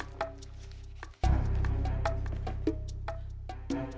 lorsqu kamu mau menikahi ayah